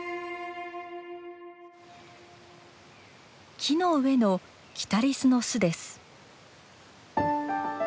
木の上のキタリスの巣です。